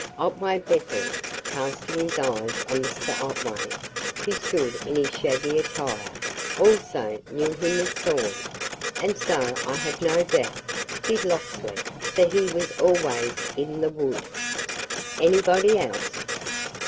Otway Bethel" casting his eyes on Mr. Otway, who stood in his shaggy attire "also knew him as Thorn, and so I have no doubt, did Locksley, for he was always in the wood." "Anybody else?"